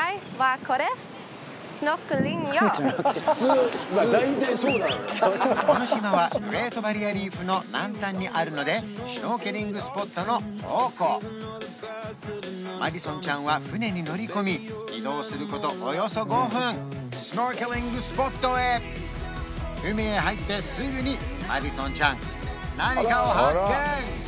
この島はグレート・バリア・リーフの南端にあるのでマディソンちゃんは船に乗り込み移動することおよそ５分シュノーケリングスポットへ海へ入ってすぐにマディソンちゃん何かを発見！